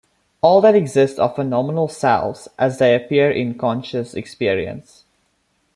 All that exists are phenomenal selves, as they appear in conscious experience.